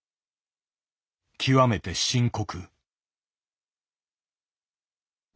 極めて深刻。